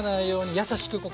優しくね。